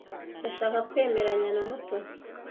Ndashaka kwemeranya na Mutoni.